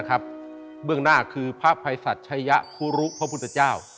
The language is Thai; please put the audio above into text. เรื่องหน้าคือภรรพไมศชัยะคุรุพระพุทธเจ้า